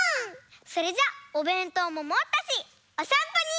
それじゃおべんとうももったしおさんぽに。